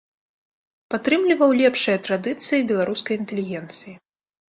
Падтрымліваў лепшыя традыцыі беларускай інтэлігенцыі.